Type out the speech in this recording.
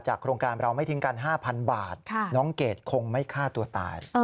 โครงการเราไม่ทิ้งกัน๕๐๐บาทน้องเกดคงไม่ฆ่าตัวตาย